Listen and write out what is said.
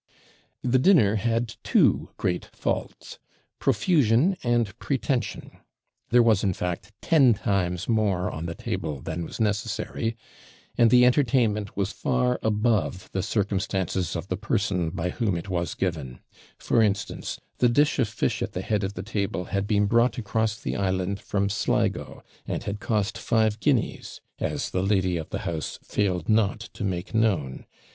The dinner had two great faults profusion and pretension. There was, in fact, ten times more on the table than was necessary; and the entertainment was far above the circumstances of the person by whom it was given; for instance, the dish of fish at the head of the table had been brought across the island from Sligo, and had cost five guineas; as the lady of the house failed not to make known.